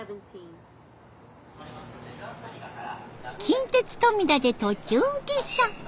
近鉄富田で途中下車。